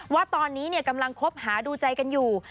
ว่าตอนนี้กำลังคบหาดูใจกันอยู่